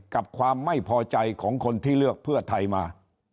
กับความไม่พอใจของคนที่เลือกเพื่อไทยมา